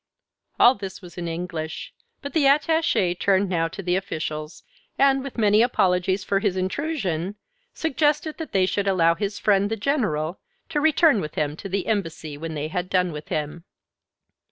All this was in English, but the attaché turned now to the officials, and, with many apologies for his intrusion, suggested that they should allow his friend, the General, to return with him to the Embassy when they had done with him.